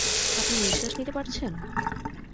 আপনি নিশ্বাস নিতে পারছেন?